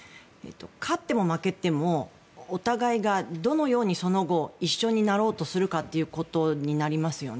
勝っても負けてもお互いがどのように、その後一緒になろうとするかということになりますよね。